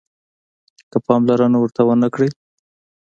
که پاملرنه ورته ونه کړئ